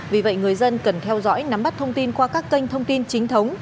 vì vậy người dân cần theo dõi nắm bắt thông tin qua các kênh thông tin chính thống